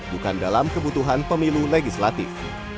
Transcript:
bukan dalam kebutuhan pemilu legislatif